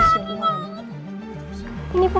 semua orang bisa lihat